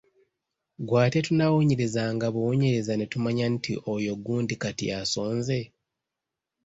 Ggwe ate tunaawunyirizanga buwunyiriza ne tumanya nti oyo gundi kati yasonze ?